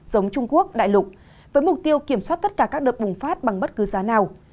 giống trung quốc đại lục với mục tiêu kiểm soát tất cả các đợt bùng phát bằng bất cứ giá nào